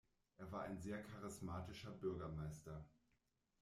Er war ein sehr charismatischer Bürgermeister.